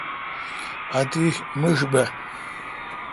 اتش مݭ بہ۔